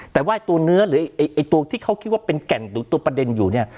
แต่ว่าตัวเนื้อหรือไอ้ตัวที่เขาคิดว่าเป็นแก่นหรือตัวประเด็นอยู่เนี่ย